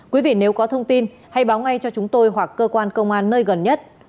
quý vị nếu có thông tin hãy báo ngay cho chúng tôi hoặc cơ quan công an nơi gần nhất